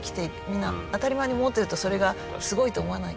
みんな当たり前に思ってるとそれがすごいと思わないけど。